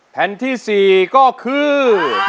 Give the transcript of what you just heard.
แผ่นที่๔ก็คือ